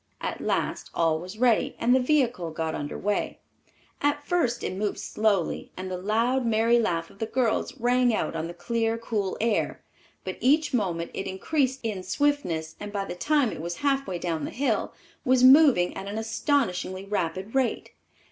At last all was ready, and the vehicle got under way. At first it moved slowly, and the loud, merry laugh of the girls rang out on the clear, cool air; but each moment it increased in swiftness, and by the time it was half way down the hill, was moving at an astonishingly rapid rate.